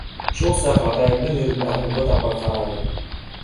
Шул саҡ атайымдың йөҙөнә һуңғы тапҡыр ҡараным.